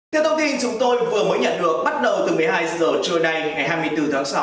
theo thông tin chúng tôi vừa mới nhận được bắt đầu từ một mươi hai h trưa nay ngày hai mươi bốn tháng sáu